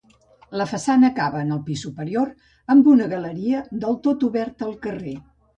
La façana acaba, en el pis superior, amb una galeria del tot oberta al carrer.